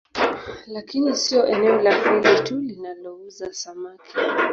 Lakini sio eneo la Feli tu linalouza samaki